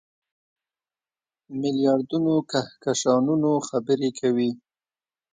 میلیاردونو کهکشانونو خبرې کوي.